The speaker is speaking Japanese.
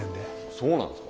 そうなんですか？